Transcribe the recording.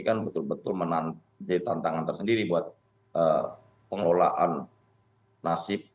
kan betul betul menjadi tantangan tersendiri buat pengelolaan nasib